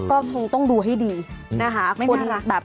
ก็คงต้องดูให้ดีนะคะ